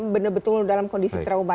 benar betul dalam kondisi trauma